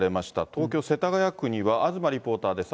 東京・世田谷区には、東リポーターです。